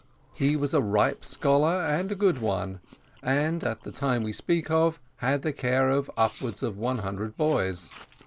He was a ripe scholar, and a good one, and at the time we speak of had the care of upwards of one hundred boys.